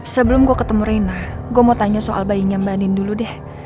sebelum gue ketemu rina gue mau tanya soal bayinya mbak nin dulu deh